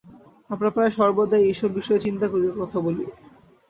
আমরা প্রায় সর্বদাই এইসব বিষয়ে চিন্তা করি কথা বলি।